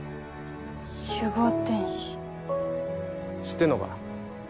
知ってんのか？